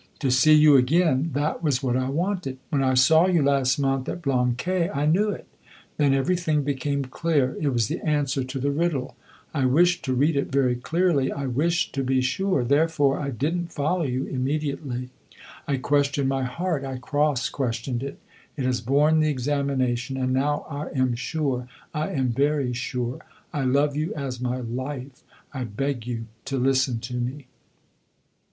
To see you again that was what I wanted. When I saw you last month at Blanquais I knew it; then everything became clear. It was the answer to the riddle. I wished to read it very clearly I wished to be sure; therefore I did n't follow you immediately. I questioned my heart I cross questioned it. It has borne the examination, and now I am sure. I am very sure. I love you as my life I beg you to listen to me!"